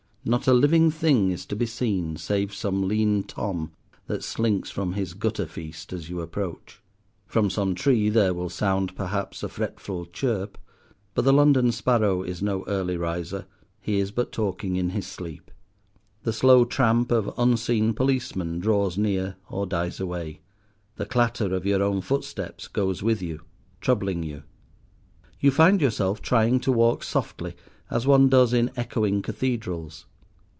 Not a living thing is to be seen save some lean Tom that slinks from his gutter feast as you approach. From some tree there will sound perhaps a fretful chirp: but the London sparrow is no early riser; he is but talking in his sleep. The slow tramp of unseen policeman draws near or dies away. The clatter of your own footsteps goes with you, troubling you. You find yourself trying to walk softly, as one does in echoing cathedrals.